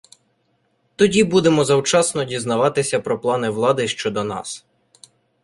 Тоді будемо завчасно дізнаватися про плани влади щодо нас.